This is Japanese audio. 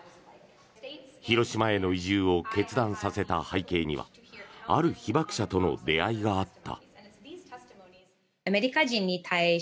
広島への移住を決断させた背景にはある被爆者との出会いがあった。